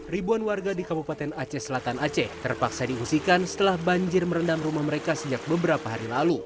ribuan warga di kabupaten aceh selatan aceh terpaksa diungsikan setelah banjir merendam rumah mereka sejak beberapa hari lalu